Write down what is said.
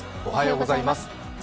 おはようございます。